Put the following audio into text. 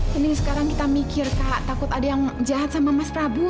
penting sekarang kita mikir kak takut ada yang jahat sama mas prabu